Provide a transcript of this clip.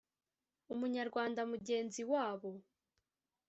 Umunyarwanda mugenzi wabo